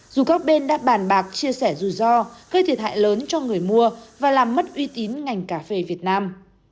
dù các bên đã bàn bạc chia sẻ rủi ro gây thiệt hại lớn cho người mua và làm mất uy tín ngành cà phê việt nam